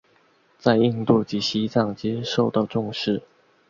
在印度及西藏皆受到重视。